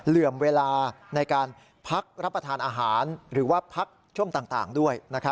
เหลื่อมเวลาในการพักรับประทานอาหารหรือว่าพักช่วงต่างด้วย